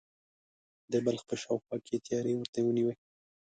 د بلخ په شاوخوا کې یې تیاری ورته ونیوی.